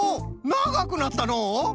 ながくなったのう。